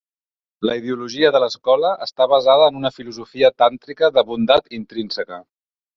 La ideologia de l'escola està "basada en una filosofia tàntrica de bondat intrínseca".